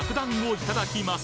いただきます！